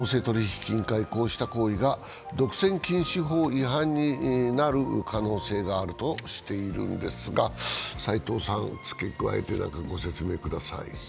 公正取引委員会、こうした行為が独占禁止法違反になる可能性があるとしているんですが斎藤さん、付け加えて何かご説明ください。